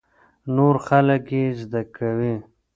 نور خلک يې زده کوي.